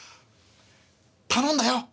「頼んだよ」。